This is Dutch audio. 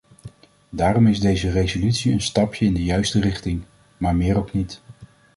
Daarom is deze resolutie een stapje in de juiste richting, maar meer ook niet.